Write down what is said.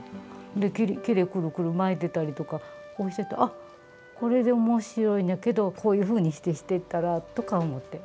できれくるくる巻いてたりとかこうしてると「あっこれで面白いねんけどこういうふうにしてしてったら」とか思って。